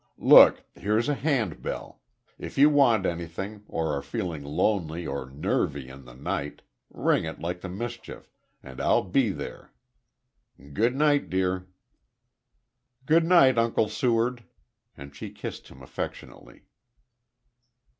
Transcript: "Look, here's a handbell. If you want anything, or are feeling lonely or `nervy' in the night, ring it like the mischief and I'll be there. Good night, dear." "Good night, Uncle Seward," and she kissed him affectionately.